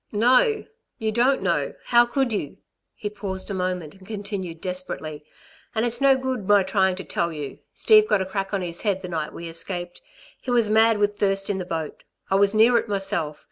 "No, you don't know! How could you?" He paused a moment, and continued desperately: "And it's no good my trying to tell you; Steve got a crack on his head the night we escaped. He was mad with thirst in the boat. I was near it myself